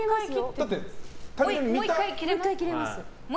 もう１回切れますよ。